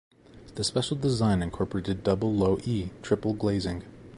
The special design incorporated double low-"e" triple glazing.